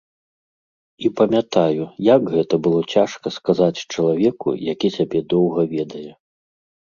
І памятаю, як гэта было цяжка сказаць чалавеку, які цябе доўга ведае.